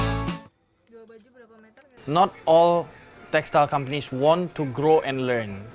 bukan semua perusahaan tekstil ingin tumbuh dan belajar